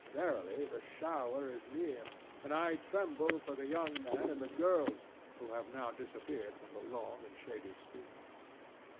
Verily, the shower is near, and I tremble for the young man and the girls, who have now disappeared from the long and shady street.